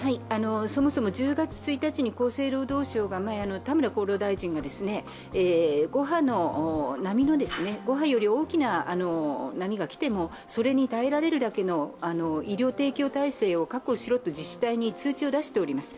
そもそも１０月１日に厚生労働省の田村厚労大臣が５波より大きな波が来てもそれに耐えられるだけの医療提供体制を確保しろと自治体に通知を出しております。